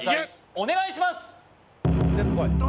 お願いします